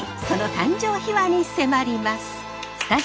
その誕生秘話に迫ります！